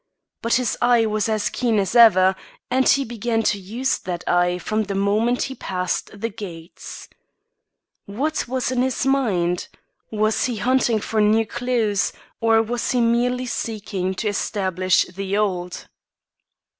But his eye was as keen as ever, and he began to use that eye from the moment he passed the gates. What was in his mind? Was he hunting for new clews, or was he merely seeking to establish the old?